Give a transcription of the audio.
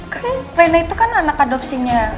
kan fena itu kan anak adopsinya